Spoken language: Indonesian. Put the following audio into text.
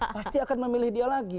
pasti akan memilih dia lagi